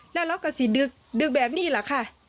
แล้วเราก็สิดึกแบบนี้แหละค่ะ